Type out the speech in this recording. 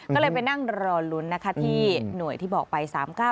ก็เลยไปนั่งรอลุ้นที่หน่วยที่บอกไป๓๙๔๐๔๑